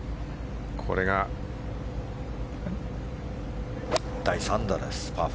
これが第３打ですパー４。